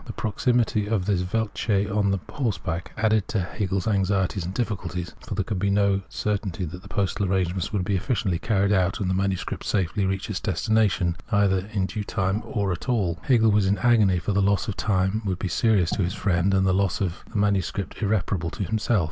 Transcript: The proximity of this " Weltseele " on horseback added to Hegel's anxieties and difficulties ;• for there could be no certainty that postal arrangementsi would be efficiently carried out and the MS. safely^ reach its destination, either in due time or at all. Hegel | Translator's Introduction xiii was in agony, for the loss of time would be serious to his friend, and the loss of the MS. irreparable to himself.